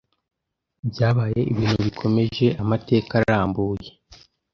byabaye ibintu bikomeje Amateka arambuye